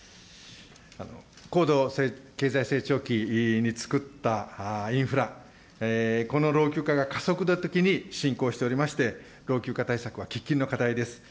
高度経済成長期につくったインフラ、この老朽化が加速度的に進行しておりまして、老朽化対策は喫緊の課題です。